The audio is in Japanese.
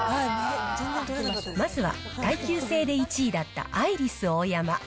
まずは耐久性で１位だったアイリスオーヤマ。